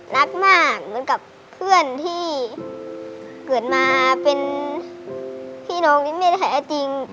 รักมากเหมือนกับเพื่อนที่เกิดมาเป็นพี่น้องที่ไม่ได้แท้จริง